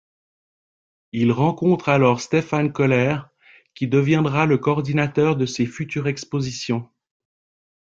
Il rencontre alors Stephan Köhler, qui deviendra le coordinateur de ses futures expositions.